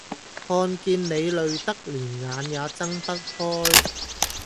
看見你累得連眼也睜不開